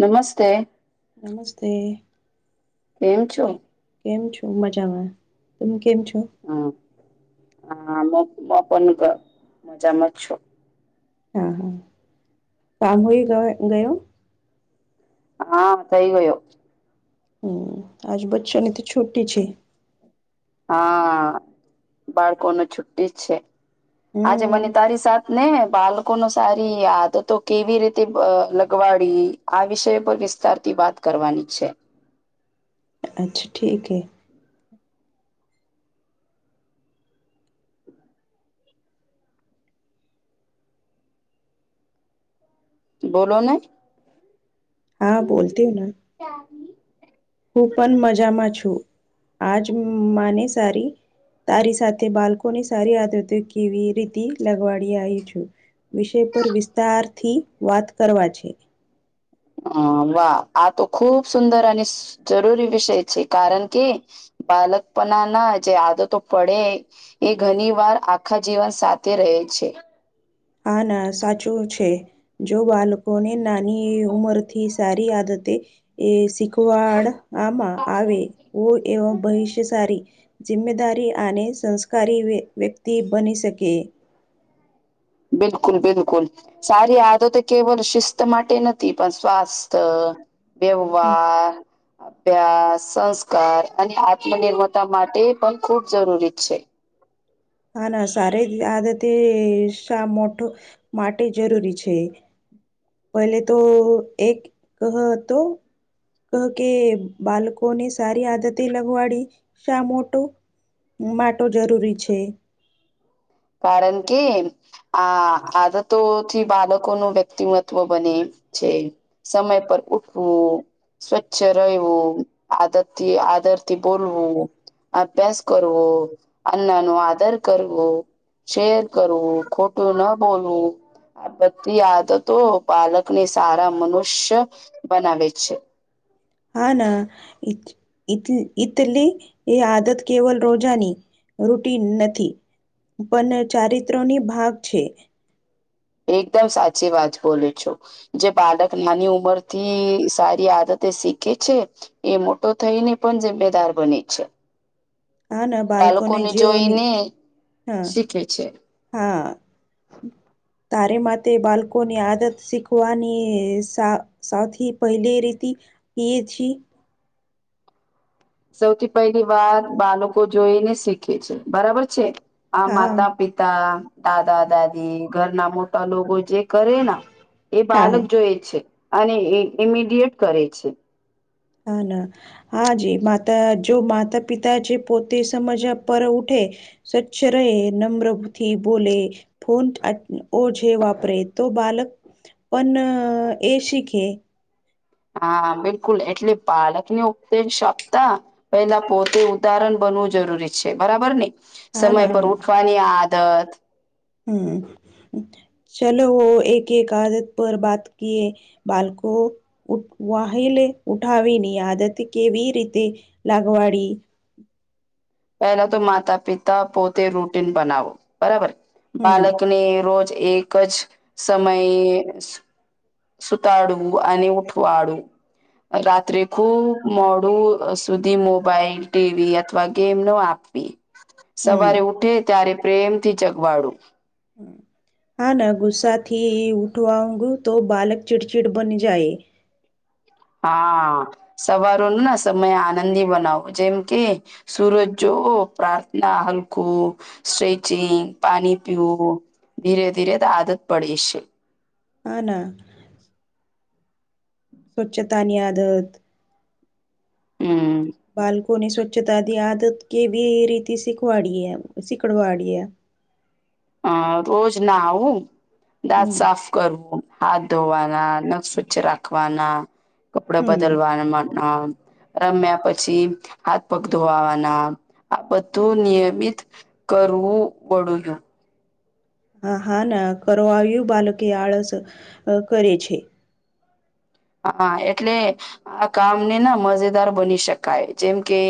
નમસ્તે. નમસ્તે. કેમ કે છો. કેમ છો, મજામાં તમે કેમ છો હમ, હ પણન મજામાં છો હા, હા કામ હોય ગ ગયો હા, સહી ગયો હમ આજ બચ્ચોની તો છોટી છે. હા બાળકો ન છુ્ટી જ છે, આજે હમ મને તારી સાથે ને બાળકો ન સારી યાદ તો કેવી રીતે લગવાડી આ વિષય પર વિસ્તાર વાત કરવાની છે. અચ્છા ઠીકે બોલો ને. હા, બોલતીયને હું પણ મજામાં છું. આજ માને સારી તારી સાથે, બાળકોની સારી આદૃતિ કેવી રીતિ લગવાડી આવી છું. વિષય પર વિસ્તારથી વાત કરવા છે. હ વાહ આ તો ખૂબ સુંદર અને જરૂરી વિષય છે, કારણ કે બાલક પણ ના જે આદો તો પડે એ ઘણી વાર આખા જીવન સાથે રહે છે. હા, ના સાચું છે. જો બાળકોને નાની ઉમરથી સારી આદતે એ શીખવાડમાં આવે એવ ભવિષ્ય સારી જિમ્મેદારી અને, સંસ્કારી વ્યક્તિ બની શકે બિલકુલ, બિલકુલ સારી આદતોત કેવલ શિસ્ત માટે નથી પણ સ્વાસ્થ બેવવા. અભ્યાસ સંસ્કાર અને આત્મનિર્મતા માટે, પણ ખૂબ જરૂરી છે. હા, ના સારી આદતે શા મોઠો માટે જરૂરી છે. પહેલે તો એક કહ હતો તો ક કે બાળકોને સારી આદતે લગવાડી શા મોટો માટો જરૂરી છે. કારણ કે આ, આદતોથી બાળકો નું વ્યક્તિમત્વ બને છે. સમય પર ઉઠવું સ્વચ્છ રહેવું આદરથી આદરથી બોલવું અભ્યાસ કરરવ અનાનું આધર કરરવ શેર કરવું ખોટું ના બોલવું. આ બધી આદતો પાલકને સારા મનુષ્ય બનાવે છે. હા, ના. ઈ ઈટલી એ આદત કેવલ રોજાની રૂટી નથી પણ ચારિત્રની ભાગ છે. એકદમ સાચી વાત બોલું છું. જે બાળક નાની ઉંમર થી સારી આદતે શીખે છે. એ મોટો થઈને પણ ઝમ્મેદાર બને છે. હા ને બાળકો બાળકોને ને જેઓની જોઈને હા શીખે છે. હા. તારે માટે બાળકોની આદત શીખવાની સૌથી પહેલી રી એ જ સૌથી પહેલી વાર બાળકો જોઈ ને શીખે છે બરાબર છે. આ હા માતા પિતા દાદા દાદી ઘરના મોટા લોકો જે. કરે ના એ હા બાળક હા જોય છે અને ઇમીડિયટ કરે છે. હ ના. હાજી માતા જો માતા પિતા છે પોતે સમજ પર ઉઠે. સ્વચછ રહે નમ્રથી બોલે. ફોન ઓ જે વાપરે તો બાલક પણ એ શખે. હા બિલકુલ એટલે પાલક ની ઉપતે શકતા. પેલા પોતે ઉદાહરણ બનવું જરૂરી છે બરાબર ને. હા સમય ના પર હા ના ઉઠવાની આદત. હમ. ચાલ હો એક એક આદત પર બાત કએ બાળકો. વાહલે ઉઠાવીની આદત કેવી રીતે લાગવાડી. પહેલા તો માતા પિતા પોતે રૂટીન બનાવો બરાબર. હમ બાળકને રોજ એક જ સમયે. સુતાડવું અને ઉઠવાડું. રાત્રે ખુબ મોડું સુધી મોબાઈલ ટીવી અથવા ગેમ નો આપવી. [inaudible] સવારે ઉઠે ત્યારે પ્રેમથી ચગવાડું. હમ. હા ના ગુસ્સા થી ઉઠવા ઊઘ તો બાલક ચીડચીડ બની જાય. હા સવારો ન સમય આનંદી બનાવો જેમ કે સુરજ જો પ્રાર્થના હલખું. સ્ટ્રેચિંગ પાણી પીવું ધીરે ધીરે આદત પડે છે. આના. સ્વચ્છતાની આયાદત. હમ. બાળકોની સ્વચ્છતાથી આદત કેવી એ રી શીખવાડી શીખડવાડીએ. હ રોજ નાું દાત હમ સાફ. કરવું હાથ ધોવાના નખ સ્વચ્છ રાખવાના. કપડાે હમ પદલવાના. રમ્યા પછી હાથ પગ ધોવાવાના આ બધું નિયમિત. કરવું બળું. હ હા ના કરવા આવ્યું બાલકે આળસ કરે છે. હા એટલે આ કામને ના મજેદાર બની શકાય જેમ કે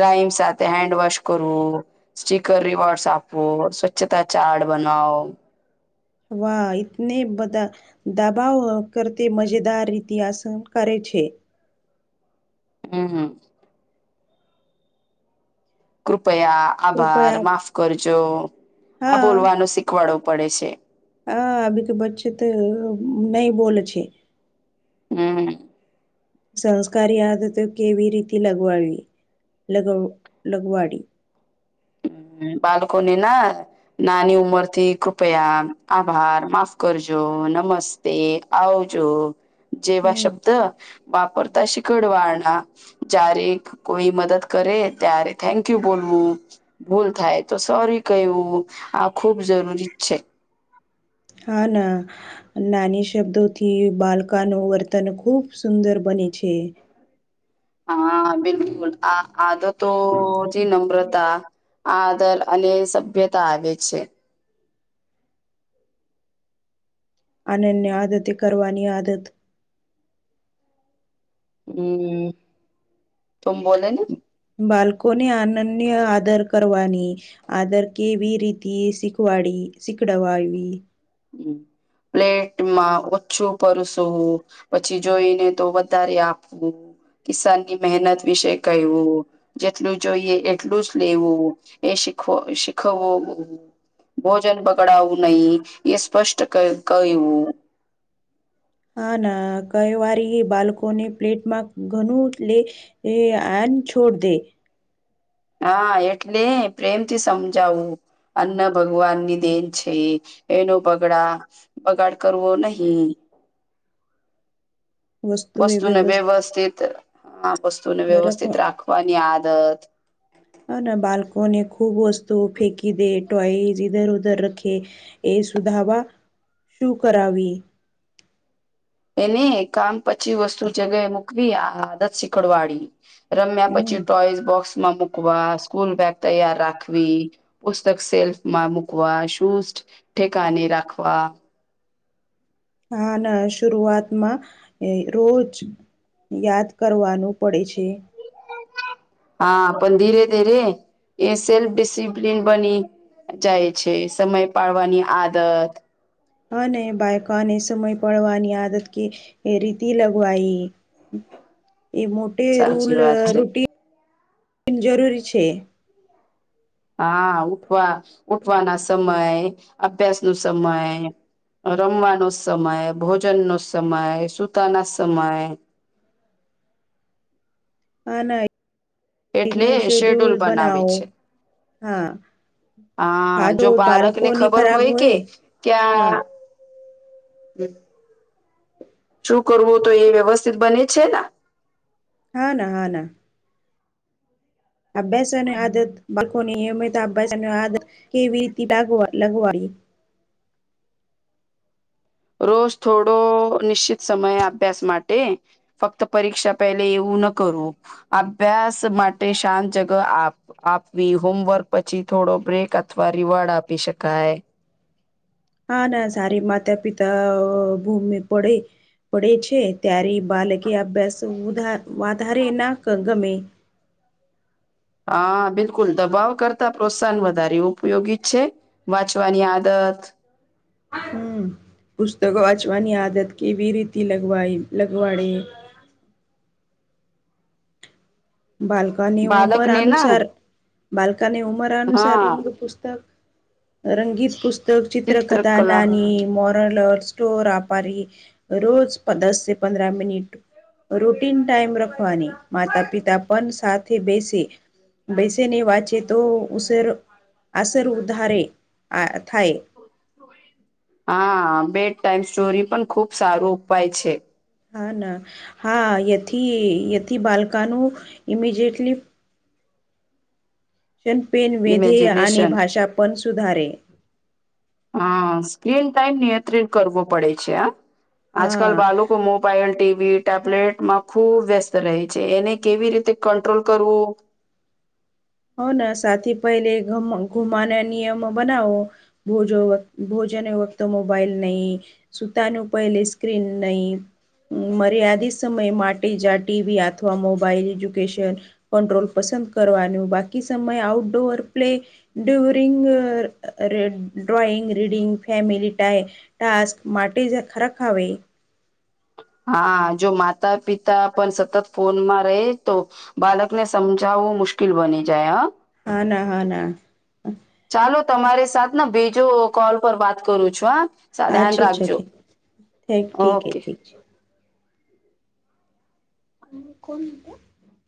રામ સાથે હેન્ડવોશ કરવું. સ્ટીકર રવાોર્ડસ આપો સ્વચ્છતા ચાર્ડ બનાવો. વાહ તને બધા. દબાવ કરતી મજેદાર રીતે આસન કરે છે. હમ હા. કૃપયા આભાર કૃપયા માફ કરજો આ બોલવાનું શીખવાડો પડે છે. હા અભી કે બચ્ચે તો નહ બોલ છે. હમ. સંસ્કાર યાદ હતો કેવી રીતે લગવાડવી લગ લગવાડી. હ બાલ્કની ના નાની ઉંમર થી, કૃપયા આભાર માફ કરજો નમસ્. તે આવજો જેવા હમ. શબ્દ વાપરતા શિકડવાના જ્યારે કોઈ મદદ કરે ત્યારે થેન્ક યુ બોલવું. ભૂલ થાય તો સોરી કવું આ ખુબ જરૂરી જ છે. હા ના. નાની શબ્દોથી બાલકા નું વર્તન ખુબ સુંદર બને છે. હા બિલકુલ આ આદ તો જ નમ્રતા આ દર અને સભ્યતા આવે છે. આન એને આદતે કરવાની આદત હમ તુમ બોલેને બાળકો ને આનંદ આદર કરવાની આદર કેવી રીતે એ શીખવાડી શીખડવા હ પ્લેટમાં ઓછું પરસું પછી જોઈને તો વધારે આપવું કિસાનની મહેનત વિશે કહેવું. જેટલું જોઈએ એટલું જ લેવું એ શીખ શીખવવું ભોજન બગડાવું નહી એ સ્પષ્ટ કું હા ના કઈ વારી બાળકોને પ્લેટમાં ઘણું લે એ એન છોડ દે હા એટલે પ્રેમથી સમજાવું અન્ન ભગવાન ની દેન છે, એનો પગડા બગાડ કરવો નહીં. વસ્તુ એ વસ્તુને વ્યવસ્ વ્યવસ્થિત વસ્તુને રખવા વ્યવસ્થિત રાખવાની આદત હ ના બાલ્કોને ખૂબ વસ્તુ ફેંકી દે ટોય ધર ઉધર રખે એ સુધાવા શું કરાવી એને કામ પછી વસ્તુ જગ્યાએ મૂકવી, આ આદત શીકડ વાળી રમ્યા હમ પછી, ટોઈસ બોક્સમાં મુૂકવા સ્કૂલ બેગ તૈયાર રાખવી પુસ્તક સેલ્ફમાં મૂકવા શૂઝ ઠેકાને રાખવા હા ના શરઆતમાં એ રોજ યાદ કરવાનું પડે છે. હા પણ ધીરે ધી રે એ સેલ્ફ ડિસિપ્લિન બની જાય છે, સમય પાડવાની આદત હને બાાયકાને સમય પડવાની આદત કે રીતિ લગવાઈ એ મોટે રૂલ સાચી વાત છે રૂટીન જરૂરી છે. હા ઉઠવા ઉઠવાના સમય અભ્યાસ નું સમય રમવાનો સમય ભોજન નો સમય સુતાના સમય હા ના એટલે એને શેડ્યુલ બનાવે બનાવો છે. હા હા જો બાળક ને ખબર હોય કે ક્યા હા બમ શું કરવું તો એ વ્યવસ્થિત બને છે. હા ના હા ના અભ્યાસની આદત બાળયમિત અભ્યાસ આદત કેવી રી લ લગવા રોજ થોડો નિશ્ચિત સમય અભ્યાસ માટે ફક્ત પરીક્ષા પહેલે એવું ન કરવું અભ્યાસ માટે શાંત જગ આપ આપવી હોમવર્ક પછી, થોડો બ્રેક અથવા રિવાર્ડ આપી શકાય હા ના સારી માતા પિતા ભૂમિ પડે પડે છે ત્યારે બાલકી અભ્યાસ વધારે ના ગમે હા બિલકુલ દબાવ કરતા પ્રોત્સાહન વધારે ઉપયોગી છે. વાંચવાની આદત હમ પુસ્તકો વાચવાની આદત કેવી રીતિ લગવાઈ લગવાડે? બાલકની ઉમર બાળકને ના અનુસાર બાલકાને ઉમર અનુસાર હા રંગ પુસ્તક રંગીત પુસ્તક ચિત્રકથા ચિત્રકલા નાની મો સ્ટોર આપારી રોજ દસ પંદ્ર મિનિટ રૂટીન ટાઈમ રખવાની માતા પિતા પણ સાથે બેસે બેસી ને વાંચે તો ઉસર અસર ઉધારે આ થાય. હા બેડ ટાઈમ સ્ટોરી પણ ખુબ સારો ઉપાય છે. હા ના હા એથી એથી બાલકનું ઇમિજિયટલી ક્ષણપેન વધેય અને ઇમેજિનેશન ભાષાપન સુધારે. હા સ્ક્રીન ટાઈમ નિયંત્રિત કરવો પડે છે આ આજકાલ બાળકો મો મોબાઈલ ટીવી ટેબ્લેટમાં ખુબ વ્યસ્ત રહે છે એને કેવી રીતે કંટ્રોલ કરવું. હો સાથી પહેલે ઘુમાના નિયમો બનાવો. ભોજો ભોજન વત મોબાાઈલ નહીં. સુતાનું પહેલી સ્ક્રીન નહી. મર્યાદિત સમય માટે જ ટીવી અથવા મોબાઈલ એજ્યુકેશન કંટ્રોલ પસંદ કરવાનું બાકી સમય outdoor play during drawing reading family time task માટે જ ખરાખ આવે હા જો માતા પિતા પણ સતત ફોનમાં રહે તો બાલકને સમજાવવું મુશ્કેલ બની જાય હ હા ના હા ના. ચાલો તમારી સાથે ને બીજો કોલ પર વાત કરું છું હા. અચ્છા ધ્યાન અચ્છા રાખજો ઠીક ઠીક ઠીક હે ઓકે. ઠીક છે. [unintelligible]